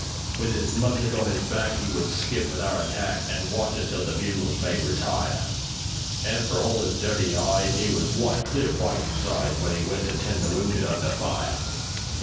With 'is mussick on 'is back,'E would skip with our attack, An' watch us till the bugles made "Retire."An' for all 'is dirty 'ide,'E was white, clear white, insideWhen 'e went to tend the wounded under fire!